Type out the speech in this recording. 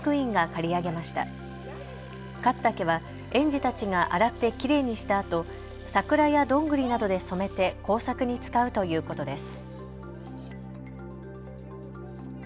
刈った毛は園児たちが洗ってきれいにしたあと、桜やどんぐりなどで染めて工作に使うということです。